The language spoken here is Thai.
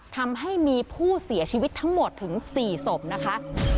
ทำให้มีผู้เสียชีวิตทั้งหมดถึง๔ศพนะคะ